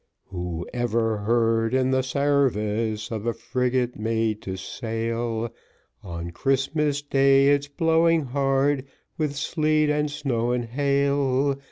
Who ever heard in the sarvice of a frigate made to sail On Christmas day, it blowing hard, with sleet, and snow, and hail?